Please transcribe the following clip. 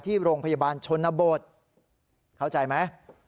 ที่โรงพยาบาลชนบทเข้าใจไหม